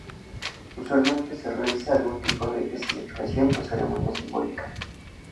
Usualmente se realiza algún tipo de escenificación o ceremonia simbólica.